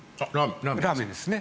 ラーメンですね。